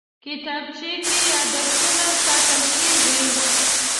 کتابچه کې یادښتونه ساتل کېږي